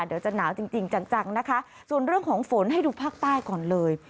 เดี๋ยวจะหนาวจริงจริงจังนะคะส่วนเรื่องของฝนให้ดูภาคใต้ก่อนเลย